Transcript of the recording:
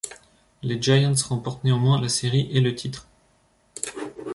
Les Giants remportent néanmoins la série et le titre.